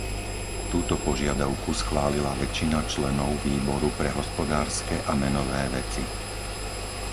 Túto požiadavku schválila väčšina členov Výboru pre hospodárske a menové veci.